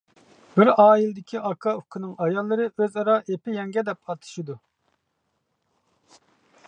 بىر ئائىلىدىكى ئاكا-ئۇكىنىڭ ئاياللىرى ئۆزئارا «ئېپى يەڭگە» دەپ ئاتىشىدۇ.